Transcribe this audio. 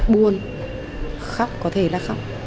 buồn khóc có thể là khóc